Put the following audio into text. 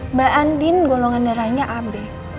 mbak andin golongan darahnya ab